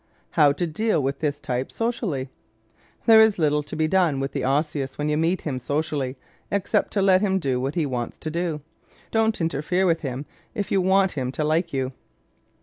How to Deal with this Type Socially ¶ There is little to be done with the Osseous when you meet him socially except to let him do what he wants to do. Don't interfere with him if you want him to like you.